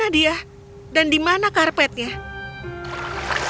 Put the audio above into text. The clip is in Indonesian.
jadi saya sudah mendapatkan uang